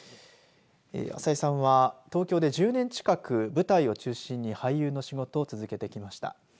朝井さんは東京で１０年近く舞台を中心に俳優の仕事を続けてきました。